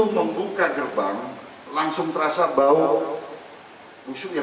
bg mengaku bau menyengat berasal dari selokan